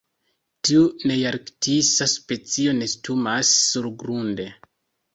Tiu nearktisa specio nestumas surgrunde.